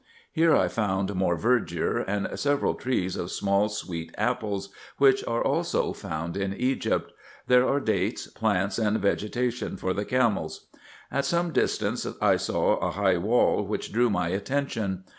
Here I found more verdure, and several trees of small sweet apples, which are also found in Egypt: there are dates, plants, and vegetation for the camels. At some distance I saw a high wall, which drew my atten tion.